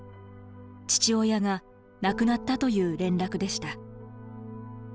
父親が亡くなったという連絡でした。